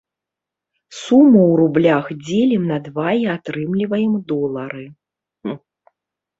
Суму ў рублях дзелім на два і атрымліваем долары.